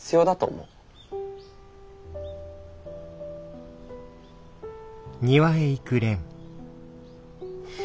うん。